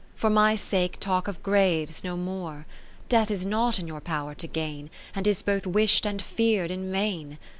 For my sake talk of graves no more ; Death is not in your power to gain. And is both wish'd and fear'd in vain.